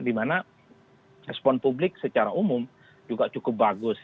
dimana respon publik secara umum juga cukup bagus